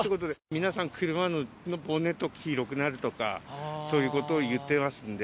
皆さん、車のボンネット黄色くなるとか、そういうことを言ってますんで。